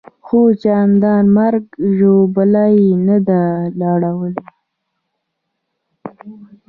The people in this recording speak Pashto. خو چندان مرګ ژوبله یې نه ده اړولې.